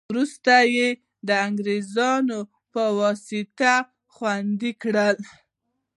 وروسته یې د انګرېزانو په واسطه خوندي کړې.